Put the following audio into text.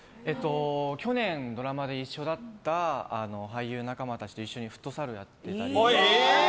去年、ドラマで一緒だった俳優仲間たちとフットサルをやってたり。